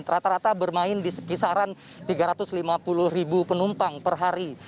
rata rata bermain di kisaran tiga ratus lima puluh ribu penumpang per hari